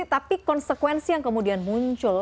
tapi konsekuensi yang kemudian muncul